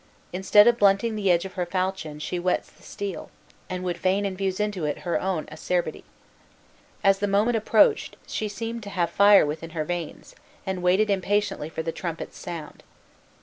Instead of blunting the edge of her falchion she whets the steel, and would fain infuse into it her own acerbity. As the moment approached she seemed to have fire within her veins, and waited impatiently for the trumpet's sound.